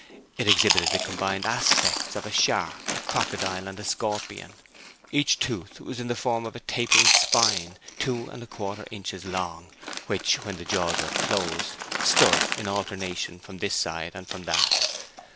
It exhibited the combined aspects of a shark, a crocodile, and a scorpion. Each tooth was in the form of a tapering spine, two and a quarter inches long, which, when the jaws were closed, stood in alternation from this side and from that.